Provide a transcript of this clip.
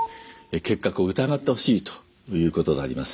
結核を疑ってほしいということがあります。